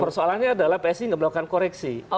persoalannya adalah psi tidak melakukan koreksi